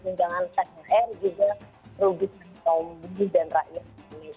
undangan thr juga logis dan rakyat